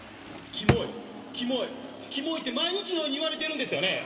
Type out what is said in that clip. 「キモいキモいキモい」って毎日のように言われてるんですよね。